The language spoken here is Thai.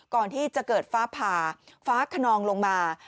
ก่อนที่จะเกิดฟ้าผ่าฟ้าขนองลงมา